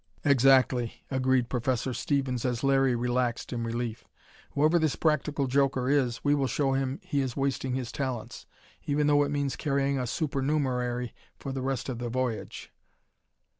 "Exactly!" agreed Professor Stevens, as Larry relaxed in relief. "Whoever this practical joker is, we will show him he is wasting his talents even though it means carrying a supernumerary for the rest of the voyage."